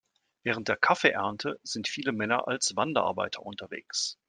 Während der Kaffee-Ernte sind viele Männer als Wanderarbeiter unterwegs.